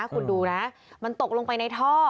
คุณดูนะมันตกลงไปในท่อ